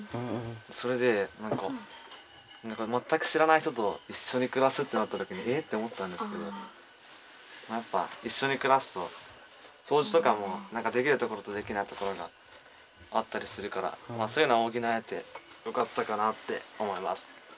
それでなんかまったく知らない人といっしょにくらすってなったときに「え⁉」って思ったんですけどやっぱいっしょにくらすとそうじとかもなんかできるところとできないところがあったりするからそういうのおぎなえてよかったかなって思います。